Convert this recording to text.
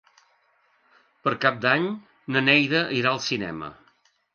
Per Cap d'Any na Neida irà al cinema.